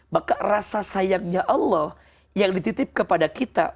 maka rasa sayangnya allah yang dititip kepada kita